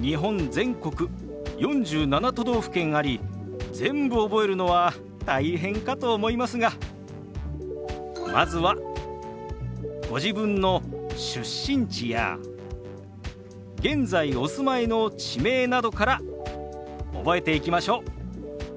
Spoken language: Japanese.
日本全国４７都道府県あり全部覚えるのは大変かと思いますがまずはご自分の出身地や現在お住まいの地名などから覚えていきましょう。